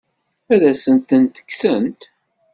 Ad asent-tent-kksent?